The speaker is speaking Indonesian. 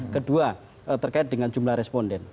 kedua terkait dengan jumlah responden